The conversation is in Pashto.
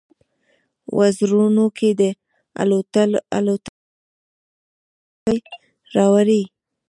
وزرونو کې، د الوتلو سیپارې راوړي